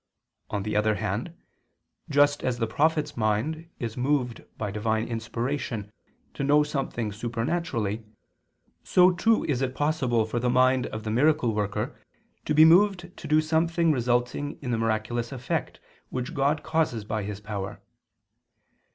On the other hand, just as the prophet's mind is moved by divine inspiration to know something supernaturally, so too is it possible for the mind of the miracle worker to be moved to do something resulting in the miraculous effect which God causes by His power.